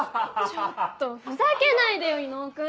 ちょっとふざけないでよ伊能君！